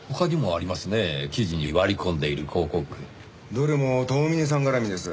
どれも遠峰さん絡みです。